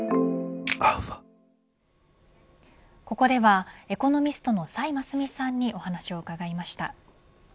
ここでは、エコノミストの崔真淑さんにお話を伺いました。